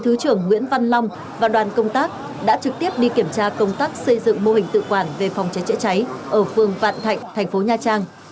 thứ trưởng nguyễn văn long đã trực tiếp đi kiểm tra công tác xây dựng mô hình tự quản về phòng cháy chữa cháy ở phương vạn thạnh thành phố nha trang